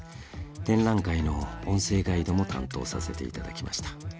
展覧会の音声ガイドも担当させていただきました